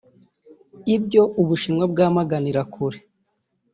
ibyo u Bushinwa bwamaganira kure